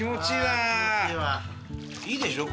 いいでしょ？